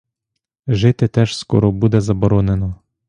Жити теж скоро буде заборонено.